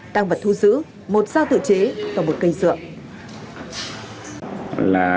tăng vật thu giữ một dao tự chế và một cây dựa